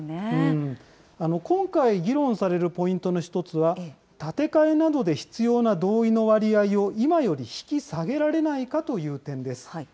今回議論されるポイントの１つは、建て替えなどで必要な同意の割合を今より引き下げられないかという点です。